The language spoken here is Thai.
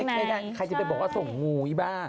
แต่มันก็เช็คให้ได้ใครจะไปบอกว่าส่งงูอีบ้า